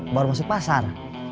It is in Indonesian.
baru masuk pasar